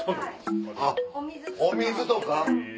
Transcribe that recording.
あっお水とか。